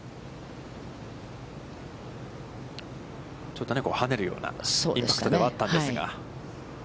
ちょっとはねるようなインパクトではあったんですが。